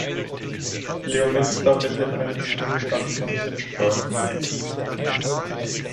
Leominster bildet eine Zwillingsstadt von Fitchburg.